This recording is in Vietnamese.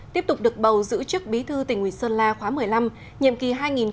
tiếp tục được bầu giữ chức bí thư tỉnh ủy sơn la khóa một mươi năm nhiệm kỳ hai nghìn hai mươi hai nghìn hai mươi năm